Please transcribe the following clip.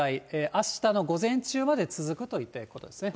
あしたの午前中まで続くということですね。